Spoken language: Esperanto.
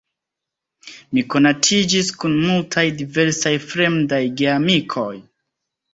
Mi konatiĝis kun multaj diversaj fremdaj geamikoj.